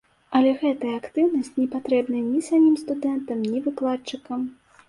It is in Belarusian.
Але гэтая актыўнасць не патрэбная ні самім студэнтам, ні выкладчыкам.